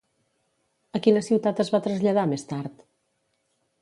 A quina ciutat es va traslladar més tard?